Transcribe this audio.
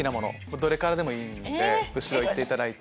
どれからでもいいんで後ろ行っていただいて。